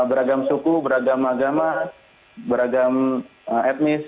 beragam suku beragam agama beragam etnis